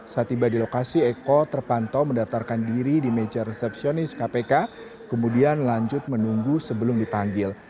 saat tiba di lokasi eko terpantau mendaftarkan diri di meja resepsionis kpk kemudian lanjut menunggu sebelum dipanggil